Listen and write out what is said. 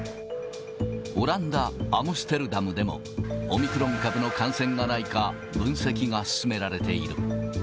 オランダ・アムステルダムでも、オミクロン株の感染がないか分析が進められている。